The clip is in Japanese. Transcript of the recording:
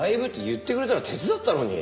言ってくれたら手伝ったのに！